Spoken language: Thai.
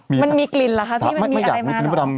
มันมีกลิ่นเหรอคะที่มันมีอะไรมา